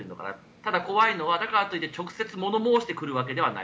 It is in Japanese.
ただ、怖いのはだからと言って直接物申してくるわけではない。